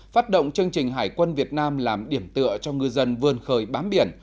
phát động chương trình hải quân việt nam làm điểm tựa cho ngư dân vươn khơi bám biển